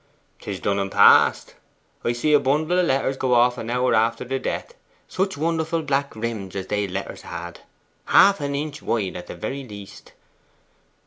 ''Tis done and past. I see a bundle of letters go off an hour after the death. Sich wonderful black rims as they letters had half an inch wide, at the very least.